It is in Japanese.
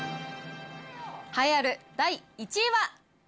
栄えある第１位は。